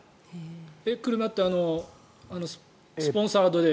車ってスポンサードで。